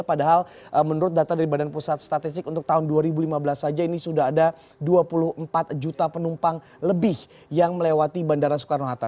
padahal menurut data dari badan pusat statistik untuk tahun dua ribu lima belas saja ini sudah ada dua puluh empat juta penumpang lebih yang melewati bandara soekarno hatta